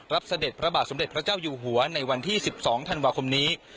เสด็จพระบาทสมเด็จพระเจ้าอยู่หัวในวันที่๑๒ธันวาคมนี้